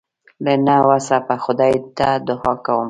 له نه وسه به خدای ته دعا کوم.